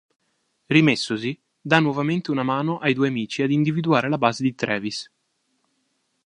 Rimessosi, dà nuovamente una mano ai due amici ad individuare la base di Travis.